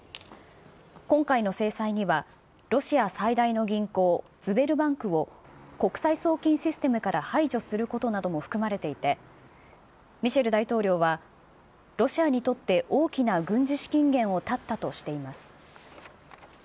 今回の制裁には、ロシア最大の銀行、ズベルバンクを国際送金システムから排除することなども含まれていて、ミシェル大統領は、ロシアにとって大きな軍事資金源を絶ったとしています。